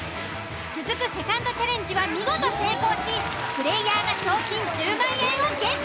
続くセカンドチャレンジは見事成功しプレイヤーが賞金１０万円をゲット。